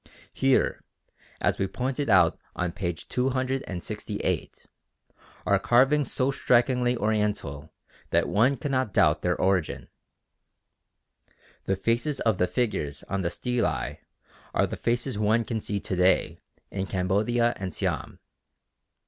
Here, as we pointed out on p. 268, are carvings so strikingly Oriental that one cannot doubt their origin. The faces of the figures on the stelae are the faces one can see to day in Cambodia and Siam.